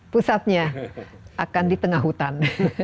pusatnya akan di tengah hutan